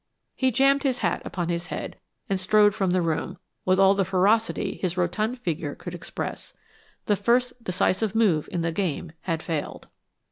He jammed his hat upon his head, and strode from the room with all the ferocity his rotund figure could express. The first decisive move in the game had failed.